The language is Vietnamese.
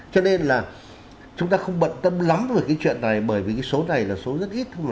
cho nên là chúng ta không bận tâm lắm với cái chuyện này bởi vì cái số này là số rất ít thôi mà